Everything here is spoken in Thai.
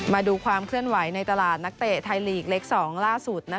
มาดูความเคลื่อนไหวในตลาดนักเตะไทยลีกเล็ก๒ล่าสุด